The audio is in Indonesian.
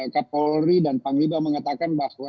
kapolri dan panglima mengatakan bahwa